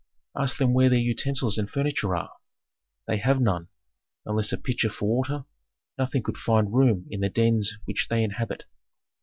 "Ask them where their utensils and furniture are. They have none, unless a pitcher for water; nothing could find room in the dens which they inhabit.